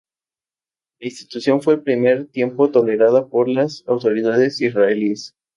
La institución fue en un primer tiempo tolerada por las autoridades israelíes.